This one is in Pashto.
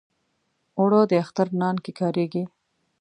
اوړه د اختر نان کې کارېږي